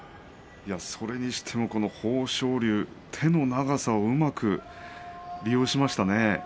それにしてもこの豊昇龍手の長さをうまく利用しましたね。